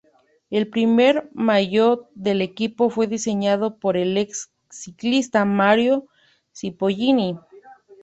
El primer maillot del equipo fue diseñado por el ex ciclista Mario Cipollini.